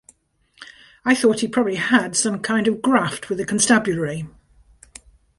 I thought he probably had some kind of graft with the constabulary.